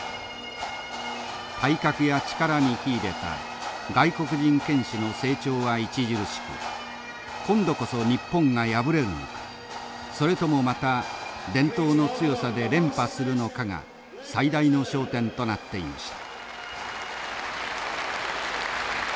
体格や力に秀でた外国人剣士の成長は著しく今度こそ日本が敗れるのかそれともまた伝統の強さで連覇するのかが最大の焦点となっていました。